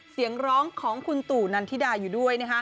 เสียงร้องของคุณตู่นันทิดาอยู่ด้วย